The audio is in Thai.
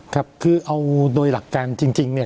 ครับคือเอาโดยหลักการจริงเนี่ย